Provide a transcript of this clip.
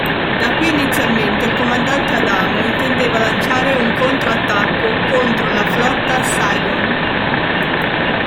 Da qui, inizialmente, il comandante Adamo intendeva lanciare un contro-attacco contro la flotta cylone.